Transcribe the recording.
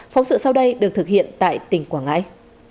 phóng sự sau đây được thực hiện tại tỉnh quảng ngãi